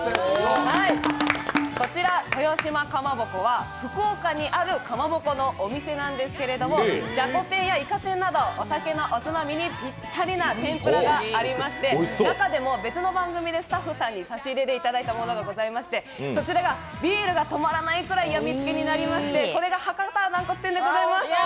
こちら豊島蒲鉾は福岡にあるかまぼこのお店なんですけどじゃこ天やいか天などお酒のおつまみにぴったりな天ぷらがありまして、中でも別の番組でスタッフさんに差し入れでいただいたもの、そちらがビールが止まらないくらい病みつきになりまして、それが博多なんこつ天でございます！